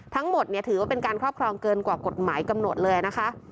ถือว่าเป็นการครอบครองเกินกว่ากฎหมายกำหนดเลยนะคะ